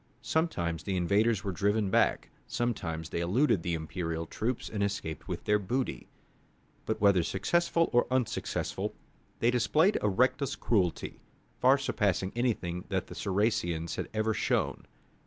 Sometimes the invaders were driven back, sometimes they eluded the imperial troops and escaped with their booty. But whether successful or unsuccessful, they displayed a reckless cruelty, far surpassing anything that the Saracens had ever shown.